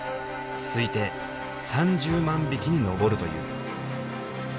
推定３０万匹に上るという。